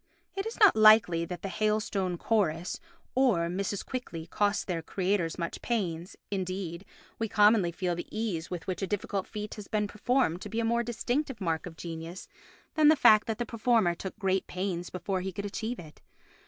It is not likely that the "Hailstone Chorus" or Mrs. Quickly cost their creators much pains, indeed, we commonly feel the ease with which a difficult feat has been performed to be a more distinctive mark of genius than the fact that the performer took great pains before he could achieve it.